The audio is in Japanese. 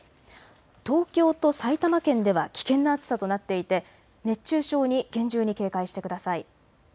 東京と埼玉県では危険な暑さとなっていて熱中症に厳重に警戒してください。